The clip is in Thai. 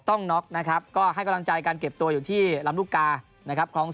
น็อกนะครับก็ให้กำลังใจการเก็บตัวอยู่ที่ลำลูกกานะครับ